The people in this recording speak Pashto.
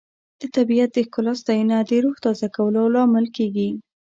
د طبیعت د ښکلا ستاینه د روح تازه کولو لامل کیږي.